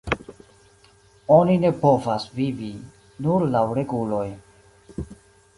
Oni ne povas vivi nur laŭ reguloj.